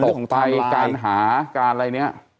ในการตกไปการหาการอะไรเนี่ย